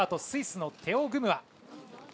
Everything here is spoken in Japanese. スイスのテオ・グムア。